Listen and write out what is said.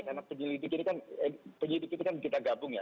karena penyelidik ini kan penyelidik itu kan kita gabung ya